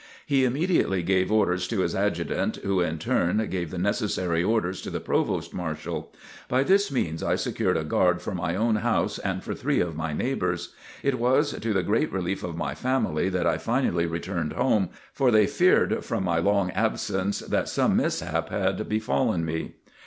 He immediately gave orders to his Adjutant who in turn gave the necessary orders to the Provost Marshal. By this means I secured a guard for my own house and for three of my neighbors. It was to the great relief of my family that I finally returned home, for they feared from my long absence that some mishap had befallen me.